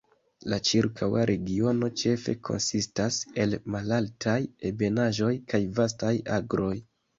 La ĉirkaŭa regiono ĉefe konsistas el malaltaj ebenaĵoj kaj vastaj agroj.